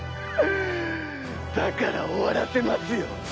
だから終わらせますよ。